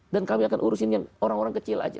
dan kami akan urusin yang orang orang kecil aja